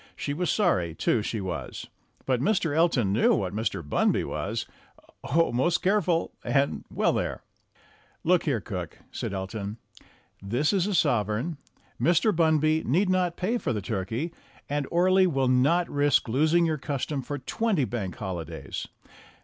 She was sorry, too, she was. But Mr. Elton knew what Mr. Bunby was oh ; most careful ! and well, there ! "Look here, cook," said Elton, "this is a sovereign. Mr. Bunby need not pay for the turkey, and Orley will not risk losing your custom for twenty Bank Holidays.